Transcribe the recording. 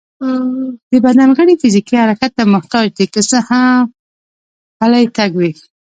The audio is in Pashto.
د بدن غړي فزيکي حرکت ته محتاج دي، که څه هم پلی تګ وي